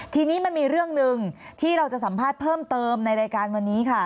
ทีนี้มันมีเรื่องหนึ่งที่เราจะสัมภาษณ์เพิ่มเติมในรายการวันนี้ค่ะ